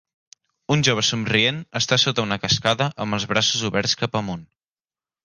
Un jove somrient està sota una cascada amb els braços oberts cap amunt